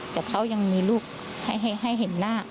แต่เขายังมีลูกให้เห็นหน้า